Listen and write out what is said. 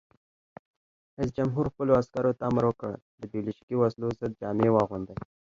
رئیس جمهور خپلو عسکرو ته امر وکړ؛ د بیولوژیکي وسلو ضد جامې واغوندئ!